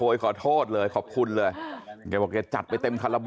โอ้เขาใจเย็นเขาดีมาก